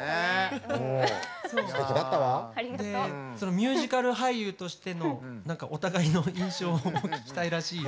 ミュージカル俳優としてのお互いの印象を聞きたいらしいよ。